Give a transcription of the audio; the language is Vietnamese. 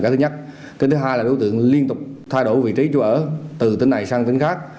thứ hai là đối tượng liên tục thay đổi vị trí chủ ở từ tỉnh này sang tỉnh khác